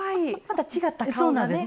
また違った顔がね。